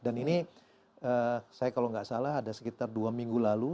dan ini saya kalau nggak salah ada sekitar dua minggu lalu